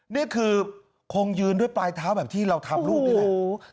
นี่คือคงยืนด้วยปลายเท้าแบบที่เราทำลูกนี่แหละ